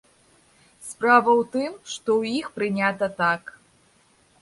Справа ў тым, што ў іх прынята так.